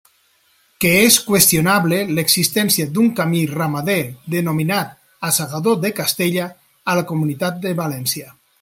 Que és qüestionable l'existència d'un camí ramader denominat assagador de Castella a la Comunitat de València.